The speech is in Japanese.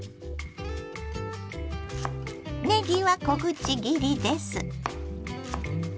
ねぎは小口切りです。